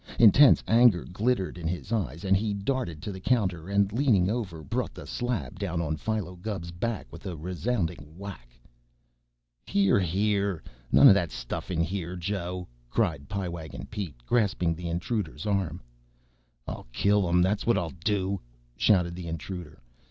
Intense anger glittered in his eyes, and he darted to the counter and, leaning over, brought the slab down on Philo Gubb's back with a resounding whack. "Here! Here! None o' that stuff in here, Joe," cried Pie Wagon Pete, grasping the intruder's arm. "I'll kill him, that's what I'll do!" shouted the intruder.